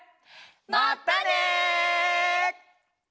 まったね。